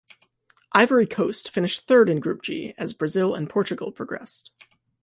Ivory Coast finished third in Group G, as Brazil and Portugal progressed.